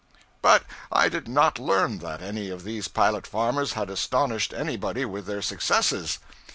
But I did not learn that any of these pilot farmers had astonished anybody with their successes.